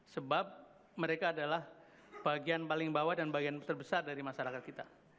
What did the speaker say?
sebab mereka adalah bagian paling bawah dan bagian terbesar dari masyarakat kita